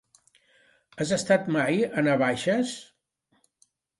Has estat mai a Navaixes?